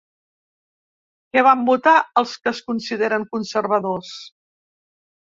Què van votar els que es consideren conservadors?